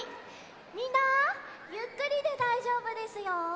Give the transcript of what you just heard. みんなゆっくりでだいじょうぶですよ。